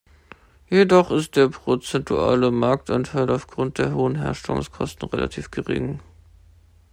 Jedoch ist der prozentuale Marktanteil aufgrund der hohen Herstellungskosten relativ gering.